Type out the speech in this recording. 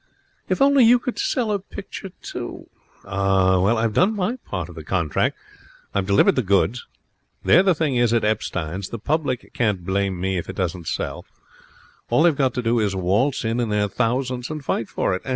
'If only you could sell a picture, too!' 'Ah! Well, I've done my part of the contract. I've delivered the goods. There the thing is at Epstein's. The public can't blame me if it doesn't sell. All they've got to do is to waltz in in their thousands and fight for it.